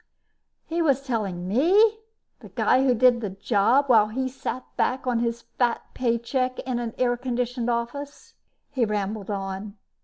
He was telling me the guy who did the job while he sat back on his fat paycheck in an air conditioned office. He rambled on.